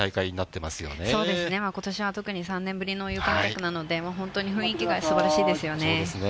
そうですね、ことしは特に３年ぶりの有観客なので、本当に雰囲気がすばらしいですよね。